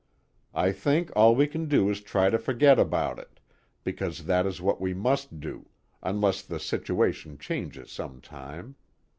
I think all we can do is try to forget about it, because that is what we must do, unless the situation changes some time.